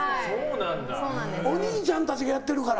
お兄ちゃんたちがやってるから。